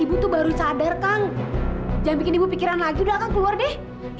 ibu tuh baru sadar kang jangan bikin ibu pikiran lagi udah akan keluar deh